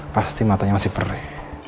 pasti matanya masih perih